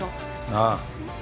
ああ。